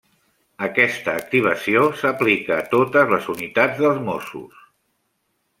Aquesta activació s'aplica a totes les unitats dels mossos.